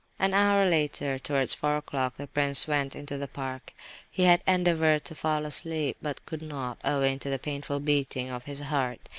An hour later, towards four o'clock, the prince went into the park. He had endeavoured to fall asleep, but could not, owing to the painful beating of his heart.